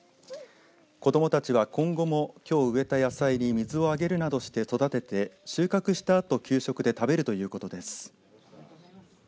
子どもたちは今後もきょう植えた野菜に水をあげるなどして育てて収穫したあと給食で食べるということです。